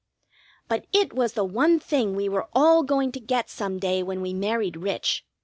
But it was the one thing we were all going to get some day when we married rich.